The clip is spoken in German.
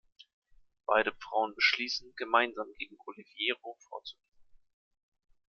Beide Frauen beschließen, gemeinsam gegen Oliviero vorzugehen.